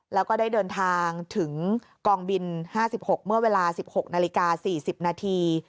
แล้วก็ได้เดินทางถึงกองบิน๕๖เมื่อเวลา๑๖นาฬิกา๔๐นาที